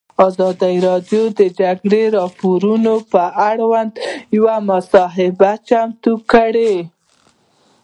ازادي راډیو د د جګړې راپورونه پر وړاندې یوه مباحثه چمتو کړې.